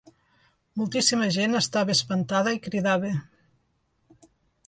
Moltíssima gent estava espantada i cridava.